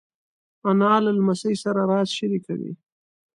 انا له لمسۍ سره راز شریکوي